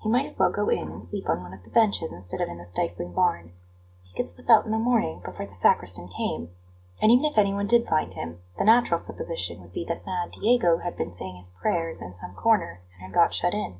He might as well go in and sleep on one of the benches instead of in the stifling barn; he could slip out in the morning before the sacristan came; and even if anyone did find him, the natural supposition would be that mad Diego had been saying his prayers in some corner, and had got shut in.